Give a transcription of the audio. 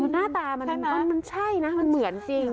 หน้าตามันใช่นะมันเหมือนจริง